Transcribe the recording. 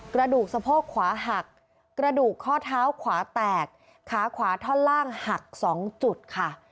กระดูกสะโพกขวาหักกระดูกข้อเท้าขวาแตกขาขวาท่อนล่างหัก๒จุดค่ะ